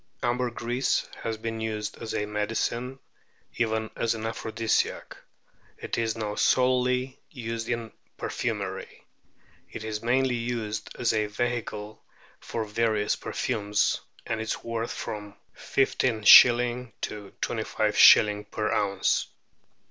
Ambergris has been used as a medicine, even as an aphrodisiac ; it is now solely used in perfumery. It is mainly used as a vehicle for various perfumes, and is worth from 1 5$. to 255. per ounce.